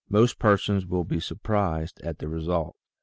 Most persons will be suprised at the result.